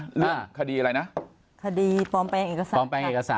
เรื่องคดีอะไรนะคดีปลอมแปลงเอกสารปลอมแปลงเอกสาร